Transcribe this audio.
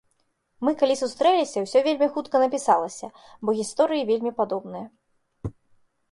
Мы калі сустрэліся, усё вельмі хутка напісалася, бо гісторыі вельмі падобныя.